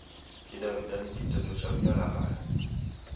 Kidaw'ida ni kiteto chaw'ialaghaya.